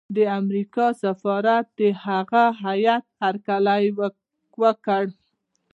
د امریکا سفارت د هغه هیات هرکلی وکړ.